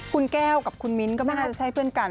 คุณแก้วกับคุณมิ้นท์ก็ไม่น่าจะใช่เพื่อนกัน